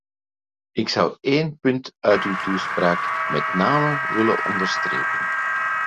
Ik zou één punt uit uw toespraak met name willen onderstrepen.